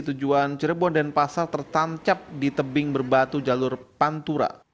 tujuan cirebon dan pasar tertancap di tebing berbatu jalur pantura